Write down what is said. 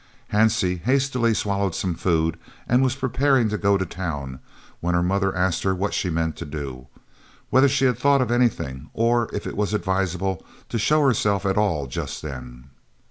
Hansie hastily swallowed some food and was preparing to go to town, when her mother asked her what she meant to do, whether she had thought of anything, or if it was advisable to show herself at all just then.